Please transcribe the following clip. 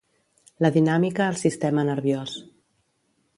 La dinàmica al sistema nerviós.